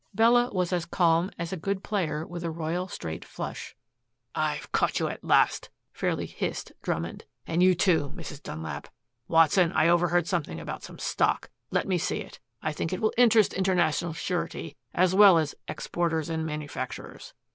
Bella was as calm as a good player with a royal straight flush. "I've caught you at last," fairly hissed Drummond. "And you, too, Mrs. Dunlap. Watson, I overheard something about some stock. Let me see it. I think it will interest International Surety as well as Exporters and Manufacturers."